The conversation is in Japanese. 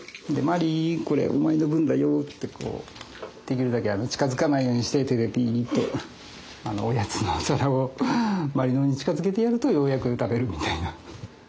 まりこれお前の分だよってできるだけ近づかないようにして手でびっとおやつのお皿をまりの方に近づけてやるとようやく食べるみたいな。